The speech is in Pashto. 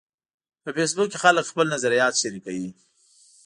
په فېسبوک کې خلک خپل نظریات شریکوي